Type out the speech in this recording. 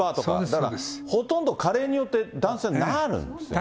だからほとんど加齢によって、男性はなるんですね。